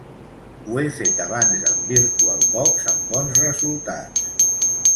Ho he fet abans amb VirtualBox amb bons resultats.